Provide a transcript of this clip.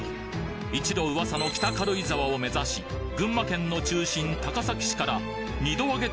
一度噂の北軽井沢を目指し群馬県の中心１時間。